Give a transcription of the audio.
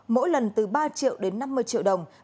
mỗi lần từ ba triệu đến năm mươi triệu đồng